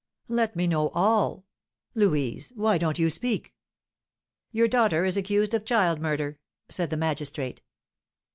Let me know all! Louise, why don't you speak?" "Your daughter is accused of child murder," said the magistrate.